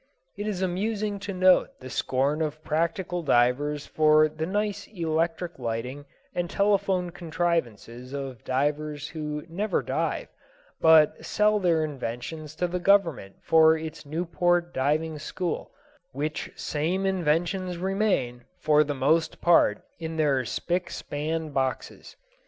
It is amusing to note the scorn of practical divers for the nice electric lighting and telephone contrivances of divers who never dive, but sell their inventions to the Government for its Newport diving school, which same inventions remain, for the most part, in their spick span boxes.